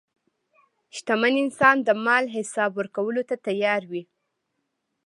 شتمن انسان د مال حساب ورکولو ته تیار وي.